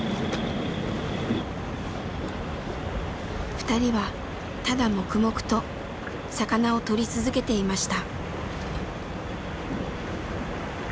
ふたりはただ黙々と魚をとり続けていました。